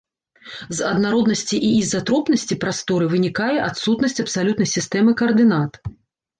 З аднароднасці і ізатропнасці прасторы вынікае адсутнасць абсалютнай сістэмы каардынат.